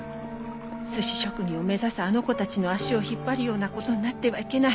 寿司職人を目指すあの子たちの足を引っ張るような事になってはいけない。